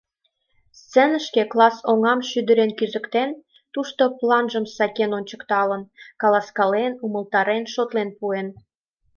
Сценышке класс оҥам шӱдырен кӱзыктен, тушко планжым сакен ончыктылын, каласкален, умылтарен, шотлен пуэн.